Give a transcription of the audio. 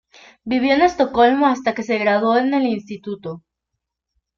Vivió en Estocolmo hasta que se graduó en el instituto.